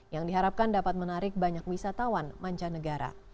yang diharapkan dapat menarik banyak wisatawan manca negara